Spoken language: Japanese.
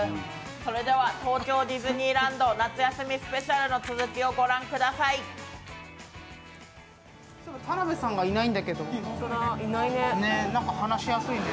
それでは東京ディズニーランド夏休みスペシャルの続きを御覧ください。